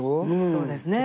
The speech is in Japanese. そうですね。